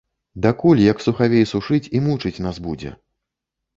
Дакуль, як сухавей, сушыць і мучыць нас будзе?